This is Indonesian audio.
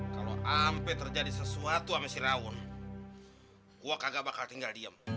kalo ampe terjadi sesuatu sama si rawon gue kagak bakal tinggal diem